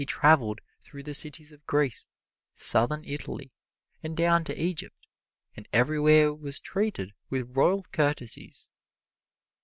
He traveled through the cities of Greece, Southern Italy and down to Egypt, and everywhere was treated with royal courtesies.